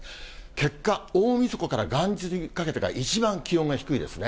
結果、大みそかから元日にかけてが、一番気温が低いですね。